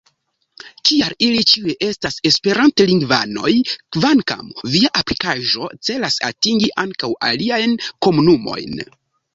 Kial ili ĉiuj estas esperantlingvanoj, kvankam via aplikaĵo celas atingi ankaŭ aliajn komunumojn?